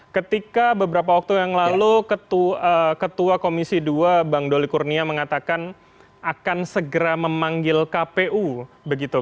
ketika beberapa waktu yang lalu ketua komisi dua bang doli kurnia mengatakan akan segera memanggil kpu begitu